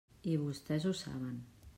I vostès ho saben.